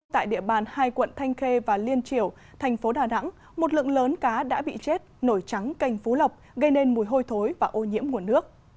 tại địa bàn hai quận thanh khê và liên triều thành phố đà nẵng một lượng lớn cá đã bị chết nổi trắng canh phú lộc gây nên mùi hôi thối và ô nhiễm nguồn nước